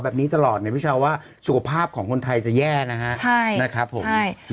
แบบนี้ตลอดพี่ชาวว่าสุขภาพของคนไทยจะแย่นะฮะใช่นะครับผมใช่